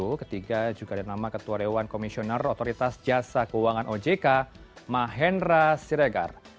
yang ketiga adalah nama ketua rewan komisioner otoritas jasa keuangan ojk mahendra siregar